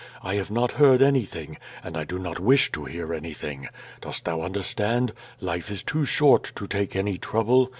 I have not heard anything, and I do not wish to hear anything. Dost thou understand? Life is too short to take any trouble.